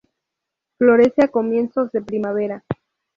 Florece a comienzos de primavera.